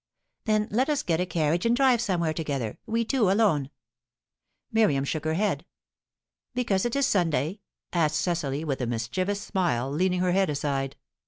"Then let us get a carriage and drive somewhere together, we two alone." Miriam shook her head. "Because it is Sunday?" asked Cecily, with a mischievous smile, leaning her head aside.